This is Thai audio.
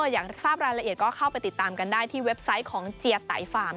อย่างทราบรายละเอียดก็เข้าไปติดตามกันได้ที่เว็บไซต์ของเจียไตฟาร์ม